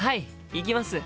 行きます！